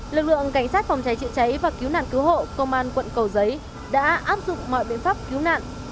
lực lượng cảnh sát phòng cháy chữa cháy và cứu nạn cứu hộ công an quận cầu giấy đã áp dụng mọi biện pháp cứu nạn